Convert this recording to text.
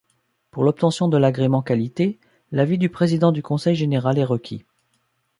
Pour l’obtention de l’agrément qualité, l’avis du président du Conseil général est requis.